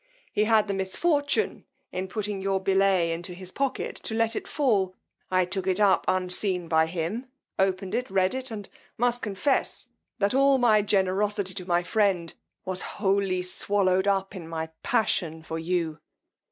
He had the misfortune, in putting your billet into his pocket, to let it fall; I took it up unseen by him, opened it, read it, and must confess, that all my generosity to my friend was wholly swallowed up in my passion for you.